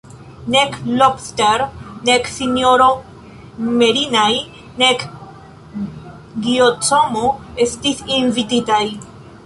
Nek Lobster, nek S-ro Merinai, nek Giacomo estis invititaj.